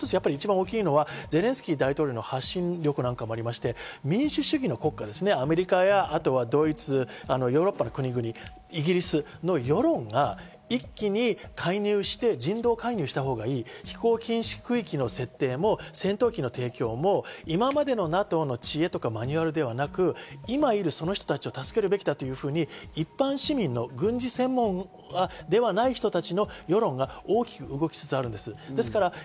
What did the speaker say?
一番大きいのはゼレンスキー大統領の発信力なんかもありまして、民主主義の国家、アメリカや、後はドイツ、ヨーロッパの国々、イギリスの世論が一気に介入して、人道介入したほうがいい、飛行禁止区域の設定も戦闘機の提供も今までのＮＡＴＯの知恵とかマニュアルではなく、今いるその人たちを助けるべきだというふうに一般市民の軍事専門ではない人たちの世論が大きく動きつつあるんです。